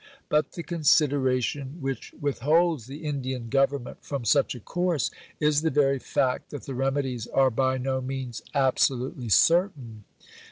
But the consideration which withholds the Indian Government from such a course is the very fact that the remedies are by no means absolutely certain.